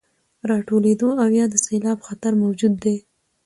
راټولېدو او يا د سيلاب خطر موجود وي،